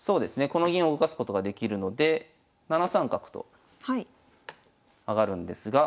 この銀を動かすことができるので７三角と上がるんですが。